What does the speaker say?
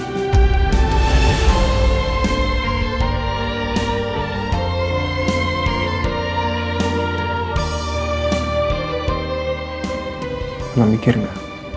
kamu mikir gak